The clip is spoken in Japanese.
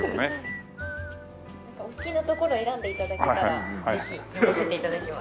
お好きなところ選んで頂けたらぜひ読ませて頂きます。